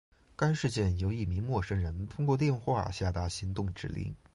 该事件由一名陌生人通过电话下达行动指令。